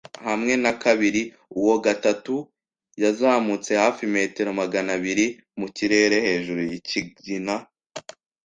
hamwe na kabiri. Uwa gatatu yazamutse hafi metero magana abiri mu kirere hejuru yikigina